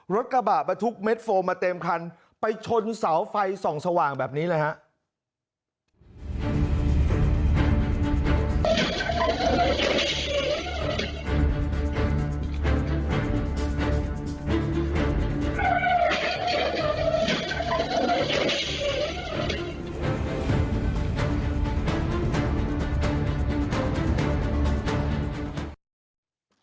รถบรรทุกเม็ดโฟมมาเต็มคันไปชนเสาไฟส่องสว่างแบบนี้เลยครับ